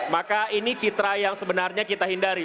maka ini citra yang sebenarnya kita hindari